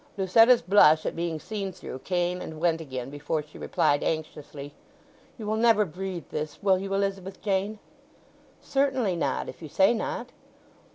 Lucetta's blush at being seen through came and went again before she replied anxiously, "You will never breathe this, will you, Elizabeth Jane?" "Certainly not, if you say not.